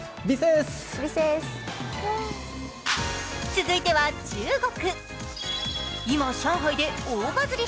続いては中国。